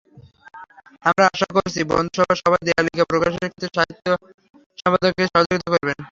আমরা আশা করছি, বন্ধুসভার সবাই দেয়ালিকা প্রকাশের ক্ষেত্রে সাহিত্য সম্পাদককে সহযোগিতা করবেন।